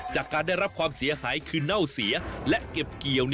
จากการได้รับความเสียหายคือเน่าเสีย